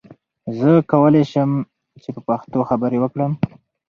زه کولی سم چې په پښتو خبرې وکړم.